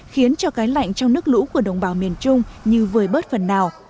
khiến cho cái lạnh trong nước lũ của đồng bào miền trung như vời bớt phần nào